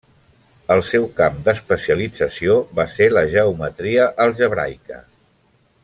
El seu camp d'especialització va ser la geometria algebraica.